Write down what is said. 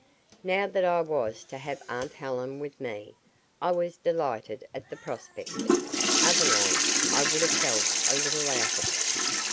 Now that I was to have aunt Helen with me I was delighted at the prospect, otherwise I would have felt a little out of it.